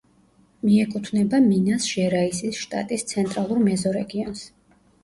მიეკუთვნება მინას-ჟერაისის შტატის ცენტრალურ მეზორეგიონს.